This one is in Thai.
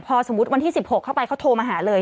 พอสมมุติวันที่๑๖เข้าไปเขาโทรมาหาเลย